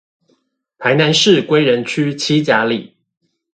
臺南市歸仁區七甲里